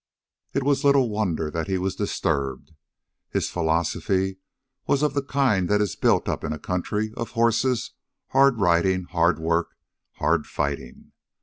It was little wonder that he was disturbed. His philosophy was of the kind that is built up in a country of horses, hard riding, hard work, hard fighting.